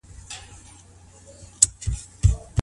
سره زغمل په ګډ ژوند کي څه ارزښت لري؟